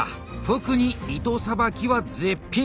特に糸さばきは絶品。